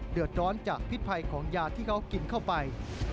เดือดร้อนจากพิษภัยของยาที่เขากินเข้าไป